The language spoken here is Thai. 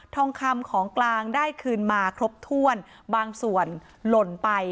ทองคำของกลางได้คืนมาครบถ้วนบางส่วนหล่นไป